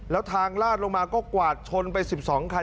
แล้วทางลาดลงมาก็กวาดชนไป๑๒คัน